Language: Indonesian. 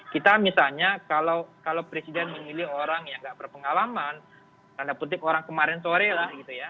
kita misalnya kalau presiden memilih orang yang gak berpengalaman tanda petik orang kemarin sore lah gitu ya